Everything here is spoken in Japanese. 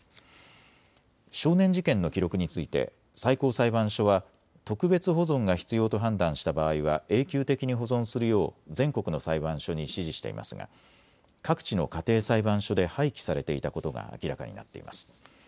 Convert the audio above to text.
少年事件の記録について最高裁判所は特別保存が必要と判断した場合は永久的に保存するよう全国の裁判所に指示していますが各地の家庭裁判所で廃棄されていたことが明らかになっています。